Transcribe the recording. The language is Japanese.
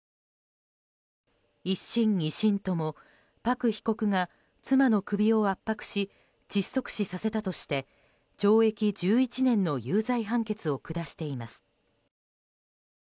１審、２審ともパク被告が妻の首を圧迫し窒息死させたとして懲役１１年の有罪判決を下しています。